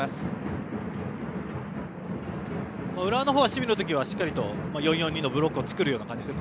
浦和は守備のときはしっかりと４−４−２のブロックを作る感じですね。